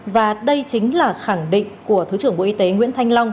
và đây chính là khẳng định của thứ trưởng bộ y tế nguyễn thanh long